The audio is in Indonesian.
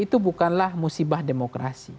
itu bukanlah musibah demokrasi